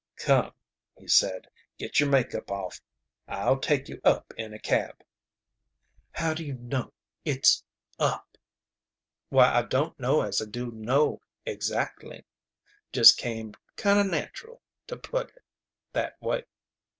"Come," he said, "get your make up off. I'll take you up in a cab." "How do you know it's up?" "Why, I don't know as I do know exactly. Just came kind of natural to put it that way.